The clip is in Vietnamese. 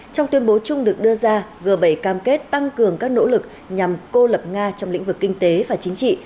trong tuyên bố chung được đưa ra g bảy cam kết tăng cường các nỗ lực nhằm cô lập nga trong lĩnh vực kinh tế và chính trị